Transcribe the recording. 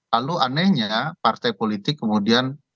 lalu anehnya partai politik kemudian